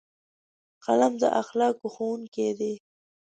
قلم د اخلاقو ښوونکی دی